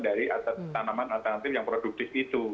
dari tanaman alternatif yang produktif itu